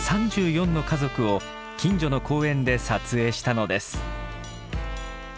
３４の家族を近所の公園で撮影したのです。